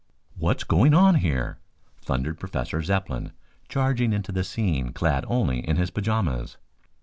"What's going on here?" thundered Professor Zepplin, charging into the scene clad only in his pajamas.